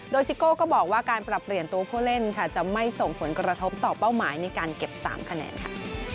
โดยซิโก้ก็บอกว่าการปรับเปลี่ยนตัวผู้เล่นค่ะจะไม่ส่งผลกระทบต่อเป้าหมายในการเก็บ๓คะแนนค่ะ